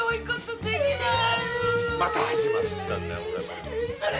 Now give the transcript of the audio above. また始まったんだよこれ。